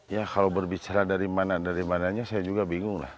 ya kalau berbicara dari mana dari mananya saya juga bingung lah